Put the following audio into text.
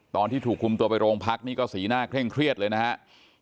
ตอนที่ถูกคุมตัวไปโรงพักนี่ก็สีหน้าเคร่งเครียดเลยนะครับ